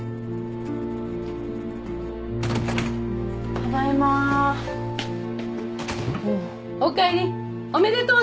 ただいまおおおかえりおめでとう